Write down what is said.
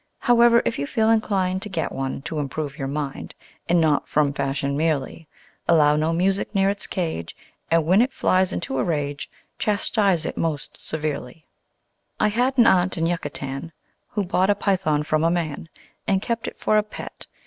However, if you feel inclined To get one (to improve your mind, And not from fashion merely), Allow no music near its cage; And when it flies into a rage Chastise it, most severely. I had an aunt in Yucatan Who bought a Python from a man And kept it for a pet.